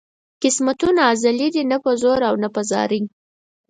قسمتونه ازلي دي نه په زور او نه په زارۍ.